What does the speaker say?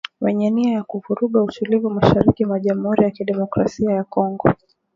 Wenye nia ya kuvuruga utulivu mashariki mwa Jamuhuri ya Kidemokrasia ya Kongo